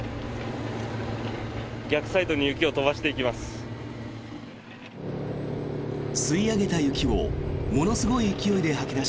逆サイドに雪を飛ばしていきます。